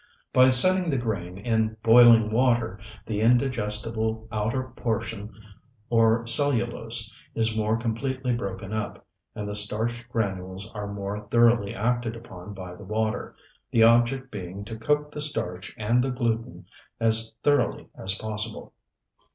By setting the grain in boiling water, the indigestible outer portion or cellulose is more completely broken up, and the starch granules are more thoroughly acted upon by the water, the object being to cook the starch and the gluten as thoroughly as possible.